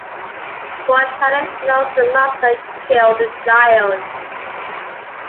Buchanan knows the monster killed the child.